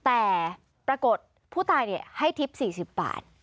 แต่ปรากฏผู้ตายให้ทิพย์๔๐บาท